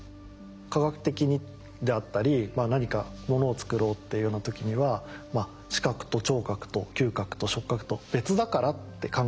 科学的にであったり何かモノを作ろうっていうような時には視覚と聴覚と嗅覚と触覚と別だからって考えますよね。